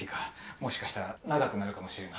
もしかしたら長くなるかもしれんが。